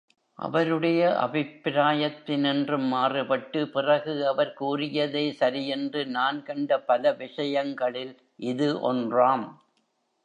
அவருடைய அபிப்பிராயத்தினின்றும் மாறுபட்டு, பிறகு அவர் கூறியதே சரியென்று நான் கண்ட பல விஷயங்களில் இது ஒன்றாம்.